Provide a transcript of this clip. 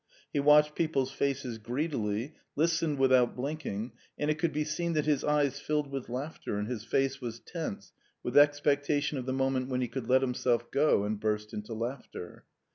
He watched people's faces greedily, listened without blinking, and it could be seen that his eyes filled with laughter and his face was tense with expectation of the moment when he could let himself go and burst into laughter.